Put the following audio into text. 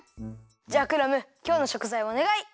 じゃあクラムきょうのしょくざいおねがい！